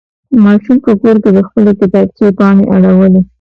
ماشوم په کور کې د خپلې کتابچې پاڼې اړولې.